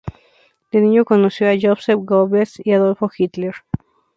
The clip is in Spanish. De niño conoció a Joseph Goebbels y a Adolf Hitler.